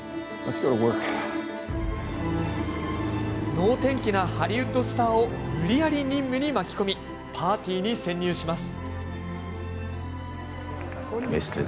能天気なハリウッドスターを無理やり任務に巻き込みパーティーに潜入します。